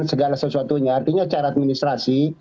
segala sesuatunya artinya cara administrasi